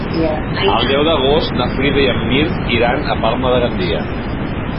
El deu d'agost na Frida i en Mirt iran a Palma de Gandia.